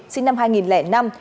sinh năm hai nghìn năm